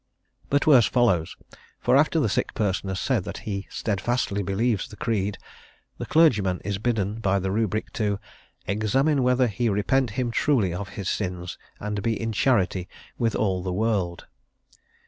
But worse follows; for after the sick person has said that he steadfastly believes the creed, the clergyman is bidden by the rubric to "examine whether he repent him truly of his sins, and be in charity with all the world."